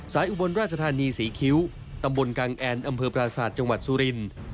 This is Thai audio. อุบลราชธานีศรีคิ้วตำบลกังแอนอำเภอปราศาสตร์จังหวัดสุรินทร์